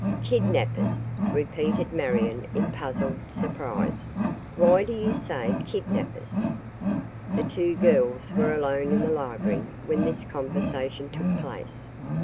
"Kidnappers," repeated Marion in puzzled surprise. "Why do you say kidnappers?" The two girls were alone in the library when this conversation took place.